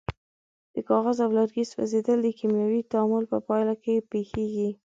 د کاغذ او لرګي سوځیدل د کیمیاوي تعامل په پایله کې پیښیږي.